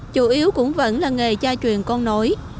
chủ yếu cũng vẫn là nghề tra truyền con nối